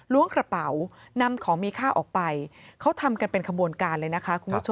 กระเป๋านำของมีค่าออกไปเขาทำกันเป็นขบวนการเลยนะคะคุณผู้ชม